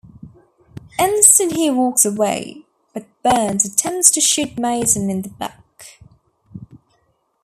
Instead he walks away, but Burns attempts to shoot Mason in the back.